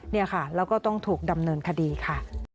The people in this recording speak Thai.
เนี่ยค่ะแล้วก็ต้องถูกดำเนินคดีค่ะ